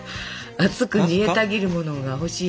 熱く煮えたぎるものが欲しいもん。